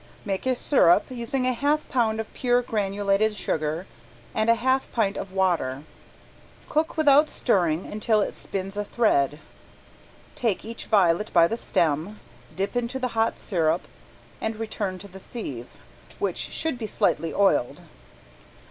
Make a sirup, using a half pound of pure granulated sugar and a half pint of water. Cook without stirring until it spins a thread. Take each violet by the stem, dip into the hot sirup and return to the sieve, which should be slightly oiled.